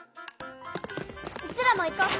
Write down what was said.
うちらも行こう！